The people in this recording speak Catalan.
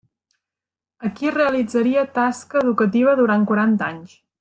Aquí realitzaria tasca educativa durant quaranta anys.